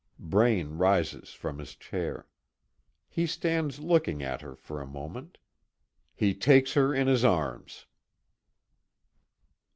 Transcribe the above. Braine rises from his chair. He stands looking at her for a moment. He takes her in his arms.